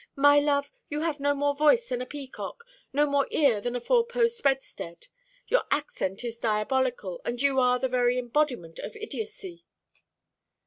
'My love, you have no more voice than a peacock, no more ear than a four post bedstead; your accent is diabolical, and you are the very embodiment of idiotcy.'